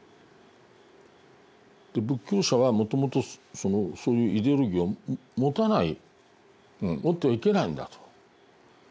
仏教者はもともとそういうイデオロギーは持たない持ってはいけないんだと。